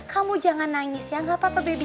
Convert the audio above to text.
kamu jangan nangis ya gak apa apa baby